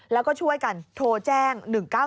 แล้วก็ช่วยกันโทรแจ้ง๑๙๙